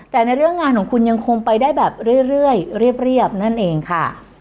แต่ในเรื่องงานของคุณยังคงไปได้แบบเรื่อยเรียบนั่นเองค่ะ